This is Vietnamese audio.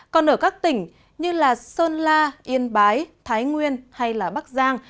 còn ở các tỉnh như sơn la yên bái thái nguyên hay bắc giang